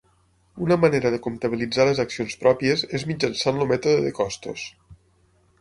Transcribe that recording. Una manera de comptabilitzar les accions pròpies és mitjançant el mètode de costos.